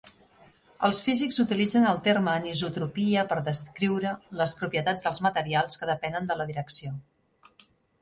Els físics utilitzen el terme anisotropia per descriure las propietats dels material que depenen de la direcció.